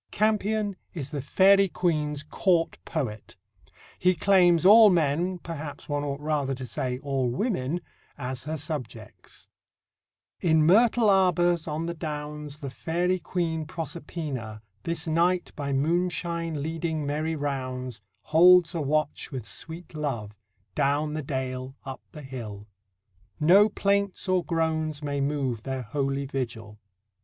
Campion is the Fairy Queen's court poet. He claims all men perhaps, one ought rather to say all women as her subjects: In myrtle arbours on the downs The Fairy Queen Proserpina, This night by moonshine leading merry rounds, Holds a watch with sweet love, Down the dale, up the hill; No plaints or groans may move Their holy vigil.